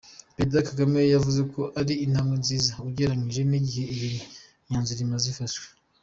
Perezida Kagame yavuze ko ari intambwe nziza ugereranyije n’igihe iyi myanzuro imaze ifashwe.